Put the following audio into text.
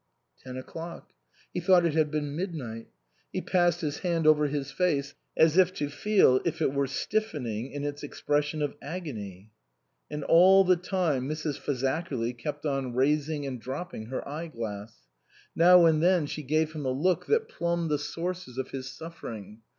Ten o'clock. He thought it had been mid night. He passed his hand over his face, as if to feel if it were stiffening in its expression of agony. And all the time Mrs. Fazakerly kept on rais ing and dropping her eyeglass. Now and then she gave him a look that plumbed the sources 30 INLAND of his suffering.